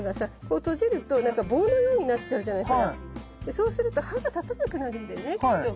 そうすると歯が立たなくなるんだよねきっと。